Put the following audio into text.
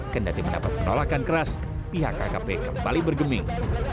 kendati mendapat penolakan keras pihak kkp kembali bergeming